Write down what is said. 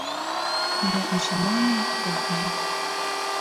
І на іншамоўную розную.